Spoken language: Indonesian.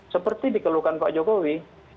seperti dikeluhkan pak jokowi